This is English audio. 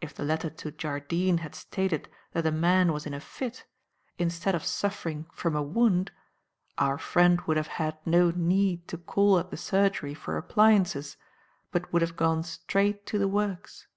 If the letter to Jardine had stated that a man was in a fit, instead of suffering from a wound, our friend would have had no need to call at the surgery for appliances but would have gone straight to the works.